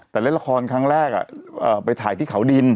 แต่เล่นละครครั้งแรกไปถ่ายที่เขาดิน